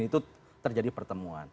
itu terjadi pertemuan